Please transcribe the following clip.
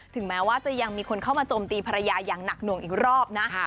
แม้ว่าจะยังมีคนเข้ามาโจมตีภรรยาอย่างหนักหน่วงอีกรอบนะ